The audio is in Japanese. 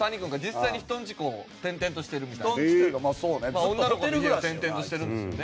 まあ女の子の家を転々としてるんですよね。